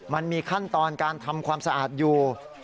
มันมีขั้นตอนการทำความสะอาดอยู่